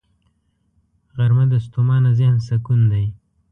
غرمه د ستومانه ذهن سکون دی